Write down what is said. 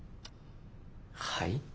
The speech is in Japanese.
はい？